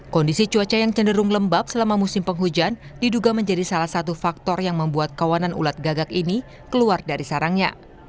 kondisi cuaca yang cenderung lembab selama musim penghujan diduga menjadi salah satu faktor yang membuat kawanan ulat gagak ini keluar dari sarangnya